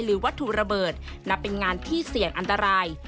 วัตถุระเบิดนับเป็นงานที่เสี่ยงอันตราย